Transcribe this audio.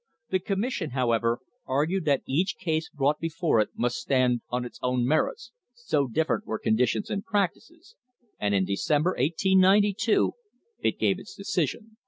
The Commission, however, argued that each case brought before it must stand on its own merits, so different were conditions and practices, and in December, 1892, it gave its decision.